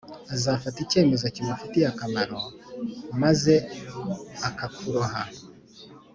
azafata icyemezo kimufitiye akamaro, maze akakuroha.